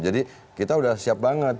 jadi kita udah siap banget